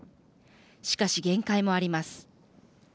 しかし限界もあります。